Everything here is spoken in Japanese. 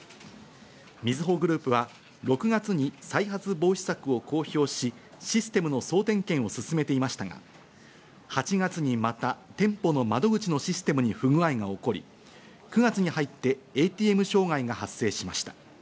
みずほグループは６月に再発防止策を公表し、システムの総点検を進めていましたが、８月にまた店舗の窓口のシステムに不具合が起こり、９月に入ってＡＴＭ障害が発生しました。